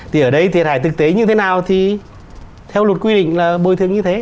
thì ở đây thiệt hại thực tế như thế nào thì theo luật quy định là bồi thường như thế